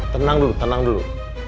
tenang dulu tenang dulu